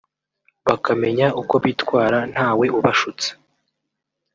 bakamenya uko bitwara ntawe ubashutse